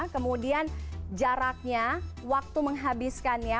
kemudian jaraknya waktu menghabiskannya